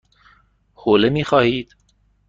حوله می خواهید؟